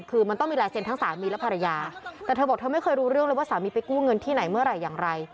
คือมันต้องมีลายเซ็นทั้งสามีและภรรยาแต่เธอบอกเธอไม่เคยรู้เรื่องเลยว่าสามีไปกู้เงินที่ไหนเมื่อไหร่อย่างไร